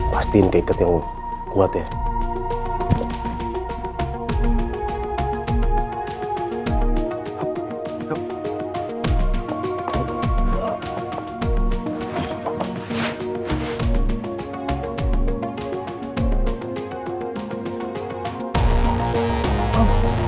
pastiin keikatnya ungu kuat ya